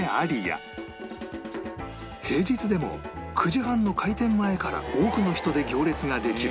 平日でも９時半の開店前から多くの人で行列ができる